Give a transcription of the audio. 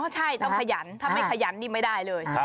ใช่ต้องขยันถ้าไม่ขยันนี่ไม่ได้เลย